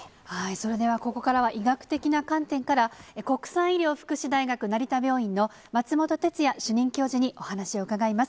それでは、ここからは医学的な観点から、国際医療福祉大学成田病院の松本哲哉主任教授にお話を伺います。